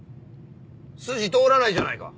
筋通らないじゃないか？